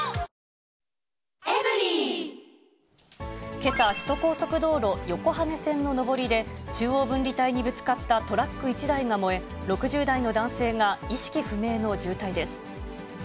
けさ、首都高速道路横羽線の上りで、中央分離帯にぶつかったトラック１台が燃え、６０代の男性が意識不明の重体です。